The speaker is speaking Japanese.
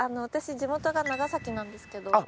私地元が長崎なんですけど。